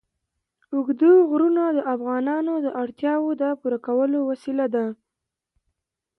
اوږده غرونه د افغانانو د اړتیاوو د پوره کولو وسیله ده.